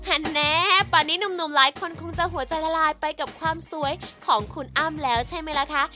แน่ตอนนี้หนุ่มหลายคนคงจะหัวใจละลายไปกับความสวยของคุณอ้ำแล้วใช่ไหมล่ะคะ